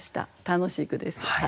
楽しい句です。